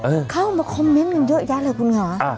เออเข้ามาคอมเม้นต์อยู่เยอะแยะเลยคุณหรออ่า